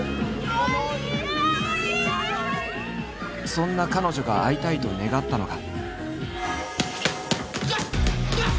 そんな彼女が会いたいと願ったのが。